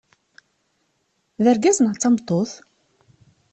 D argaz neɣ d tameṭṭut?